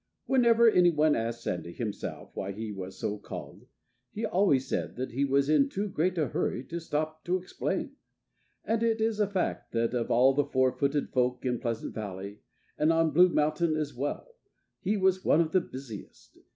Whenever any one asked Sandy himself why he was so called, he always said that he was in too great a hurry to stop to explain. And it is a fact that of all the four footed folk in Pleasant Valley and on Blue Mountain as well he was one of the busiest.